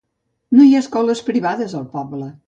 No hi ha escoles privades al poble.